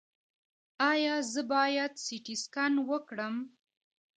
ایا زه باید سټي سکن وکړم؟